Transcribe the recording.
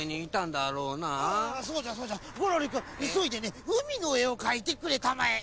あそうじゃそうじゃゴロリくんいそいでねうみのえをかいてくれたまえ。